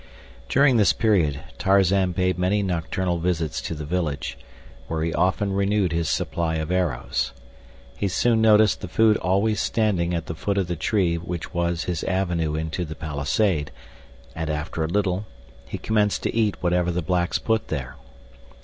During this period Tarzan paid many nocturnal visits to the village, where he often renewed his supply of arrows. He soon noticed the food always standing at the foot of the tree which was his avenue into the palisade, and after a little, he commenced to eat whatever the blacks put there.